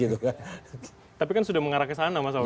tapi kan sudah mengarah ke sana mas awi